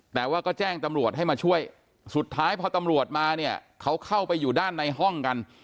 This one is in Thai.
แต่ว่าก็แจ้งตำรวจให้มาช่วยสุดท้ายพอตำรวจมาเนี่ยเขาเข้าไปอยู่ด้านในห้องกัน